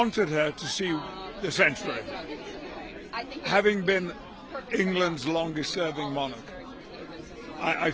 sejak tahun ini saya merasa itu akan menjadi sebuah penyelamat yang paling lama di inggris